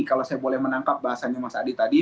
kalau saya boleh menangkap bahasanya mas adi tadi